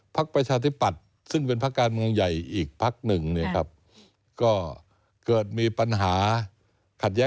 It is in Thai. พรรคประชาธิปรรปฯซึ่งเป็นพรรคการเมืองใหญ่อีกพรรคหนึ่งก็เกิดมีปัญหา